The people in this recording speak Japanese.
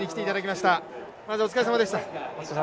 まずはお疲れさまでした。